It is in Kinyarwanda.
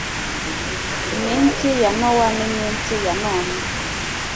Iminsi ya Nowa n’Iminsi ya None